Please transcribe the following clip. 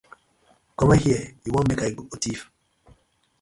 Comot here yu won mek I go thief?